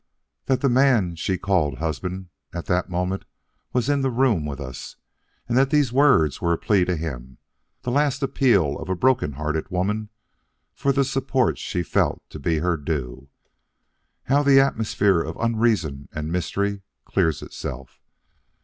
that the man she called husband was at that moment in the room with us and that these words were a plea to him the last appeal of a broken hearted woman for the support she felt to be her due how the atmosphere of unreason and mystery clears itself.